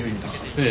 ええ。